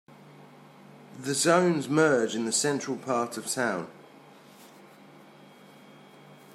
The zones merge in the central part of town.